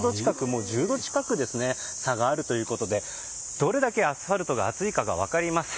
もう、１０度近く差があるということでどれだけアスファルトが暑いかが分かります。